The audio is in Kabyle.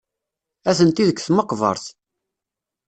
Atenti deg tmeqbert.